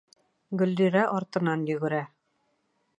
Гөллирә артынан йүгерә.